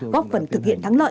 có phần thực hiện thắng lợi